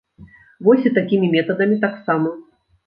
Вось і такімі метадамі таксама.